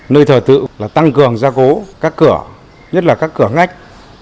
nơi thờ tự là tăng cường gia cố các cửa nhất là các cửa ngách